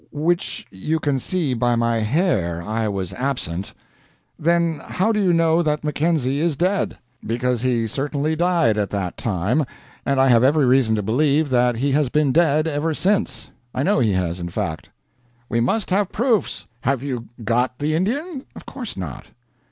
"Which you can see by my hair. I was absent. "Then how do you know that Mackenzie is dead?" "Because he certainly died at that time, and I have every reason to believe that he has been dead ever since. I know he has, in fact." "We must have proofs. Have you got the Indian?" "Of course not."